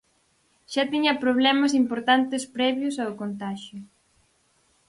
Xa tiña problemas importantes previos ao contaxio.